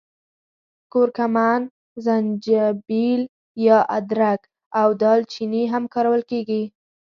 کورکمن، زنجبیل یا ادرک او دال چیني هم کارول کېږي.